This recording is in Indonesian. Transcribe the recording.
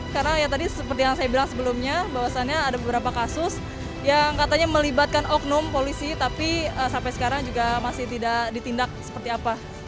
karena ya tadi seperti yang saya bilang sebelumnya bahwasannya ada beberapa kasus yang katanya melibatkan oknum polisi tapi sampai sekarang juga masih tidak ditindak seperti apa